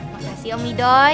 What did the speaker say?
makasih om ydhoi